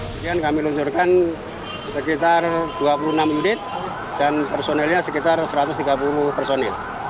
kemudian kami luncurkan sekitar dua puluh enam unit dan personilnya sekitar satu ratus tiga puluh personil